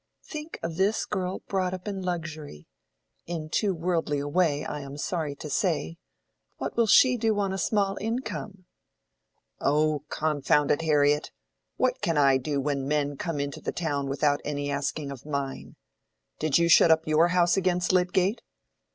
"Think of this girl brought up in luxury—in too worldly a way, I am sorry to say—what will she do on a small income?" "Oh, confound it, Harriet! What can I do when men come into the town without any asking of mine? Did you shut your house up against Lydgate?